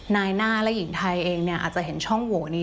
นายหน้าและหญิงไทยเองเนี่ยอาจจะเห็นช่องโหวนี้